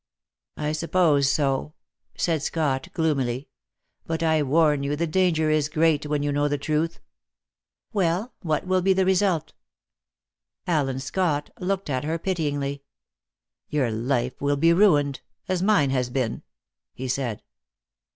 "I suppose so," said Scott gloomily; "but I warn you the danger is great when you know the truth " "Well, what will be the result?" Allen Scott looked at her pityingly. "Your life will be ruined, as mine has been," he said.